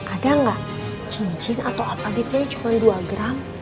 ada gak cincin atau apa gitu yang cuman dua gram